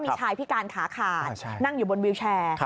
มีชายพิการขาขาดนั่งอยู่บนวิวแชร์